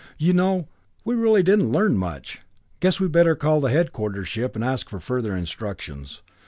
"You know, we really didn't learn much. Guess we'd better call the headquarters ship and ask for further instructions.